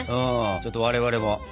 ちょっと我々も。